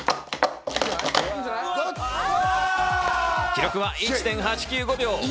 記録は１．８９５秒。